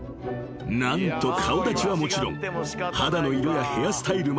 ［何と顔立ちはもちろん肌の色やヘアスタイルまでそっくり］